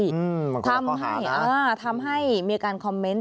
มันคือข้อหานะทำให้ทำให้มีอาการคอมเมนต์